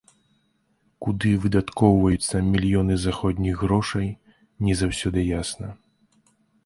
Куды выдаткоўваюцца мільёны заходніх грошай, не заўсёды ясна.